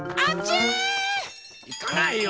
いかないよ！